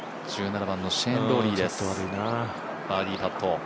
１７番のシェーン・ローリーです、バーディーパット。